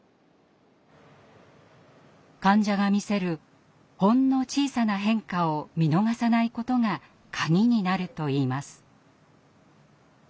患者が見せるほんの小さな変化を見逃さないことが鍵になるといいます。